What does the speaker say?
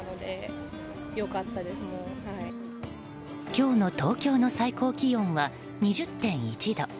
今日の東京の最高気温は２０．１度。